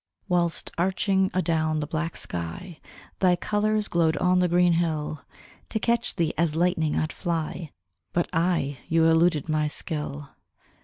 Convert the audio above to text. Whilst arching adown the black sky Thy colours glowed on the green hill, To catch thee as lightning I'd fly, But aye you eluded my skill.